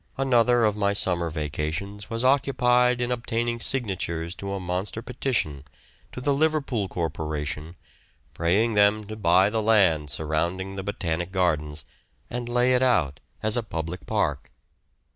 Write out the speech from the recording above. Another of my summer vacations was occupied in obtaining signatures to a monster petition to the Liverpool corporation praying them to buy the land surrounding the Botanic Gardens, and lay it out as a public park.